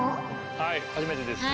はい初めてですね。